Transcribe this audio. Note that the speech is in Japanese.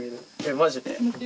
マジで？